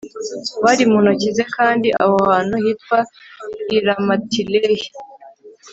wari mu ntoki ze kandi aho hantu hitwa i ramatilehi